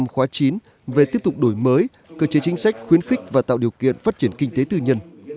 khóa chín về tiếp tục đổi mới cơ chế chính sách khuyến khích và tạo điều kiện phát triển kinh tế tư nhân